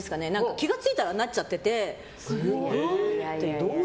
気が付いたらなっちゃってて。